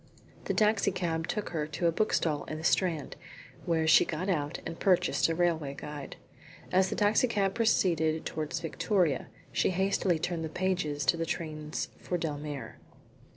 The taxi cab took her to a bookstall in the Strand, where she got out and purchased a railway guide. As the taxi cab proceeded towards Victoria she hastily turned the pages to the trains for Dellmere.